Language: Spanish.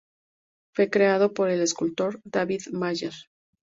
Fue creado por el escultor David Mayer.